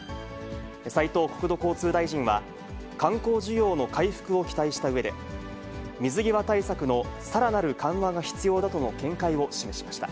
斉藤国土交通大臣は、観光需要の回復を期待したうえで、水際対策のさらなる緩和が必要だとの見解を示しました。